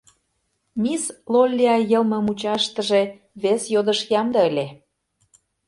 Мисс Лоллия йылме мучаштыже вес йодыш ямде ыле.